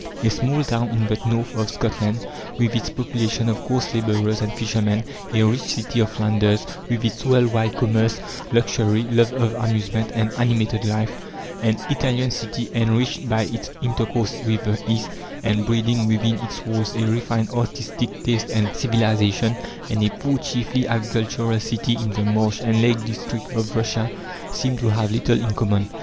A small town in the north of Scotland, with its population of coarse labourers and fishermen; a rich city of Flanders, with its world wide commerce, luxury, love of amusement and animated life; an Italian city enriched by its intercourse with the East, and breeding within its walls a refined artistic taste and civilization; and a poor, chiefly agricultural, city in the marsh and lake district of Russia, seem to have little in common.